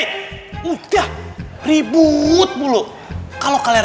tema fantastic batik sergamo